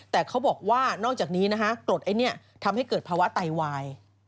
แต่เขาบอกว่านอกจากนี้นะฮะกรดไอ้เนี่ยทำให้เกิดภาวะไตวาย